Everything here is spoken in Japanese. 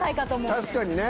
確かにね。